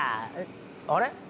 あれ？